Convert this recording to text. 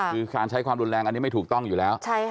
คือการใช้ความรุนแรงอันนี้ไม่ถูกต้องอยู่แล้ว